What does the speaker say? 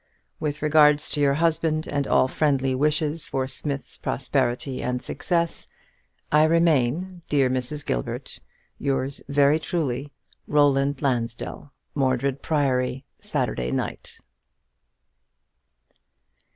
"With regards to your husband, and all friendly wishes for Smith's prosperity and success, "I remain, dear Mrs. Gilbert, "Yery truly yours, "ROLAND LANSDELL. _"Mordred Priory, Saturday night."